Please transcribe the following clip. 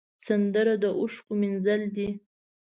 سندره د اوښکو مینځل دي